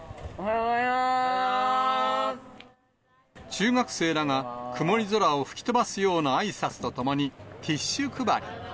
中学生らが、曇り空を吹き飛ばすようなあいさつとともに、ティッシュ配り。